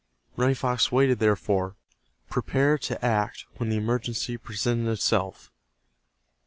Running Fox waited, therefore, prepared to act when the emergency presented itself.